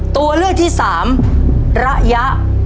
ตัวเลือกที่สามระยะ